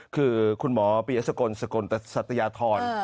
คือคุณหมอปียสกลสกลสัตยาธร